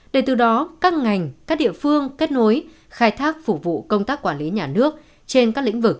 để từ đó các ngành các địa phương kết nối khai thác phục vụ công tác quản lý nhà nước trên các lĩnh vực